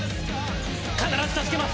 必ず助けます！